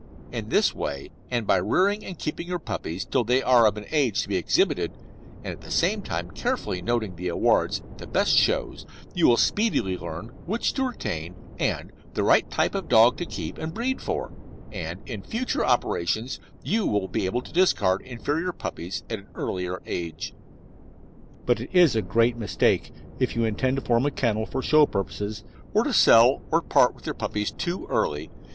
In this way, and by rearing and keeping your puppies till they are of an age to be exhibited, and at the same time carefully noting the awards at the best shows, you will speedily learn which to retain and the right type of dog to keep and breed for, and in future operations you will be able to discard inferior puppies at an earlier age. But it is a great mistake, if you intend to form a kennel for show purposes, to sell or part with your puppies too early.